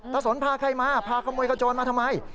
ตะสนพาใครมาพาขโมยกระโจนมาทำไม